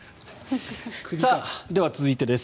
では、続いてです。